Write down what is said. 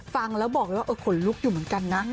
ฟังแล้วบอกคนลุกอยู่เหมือนกันนะ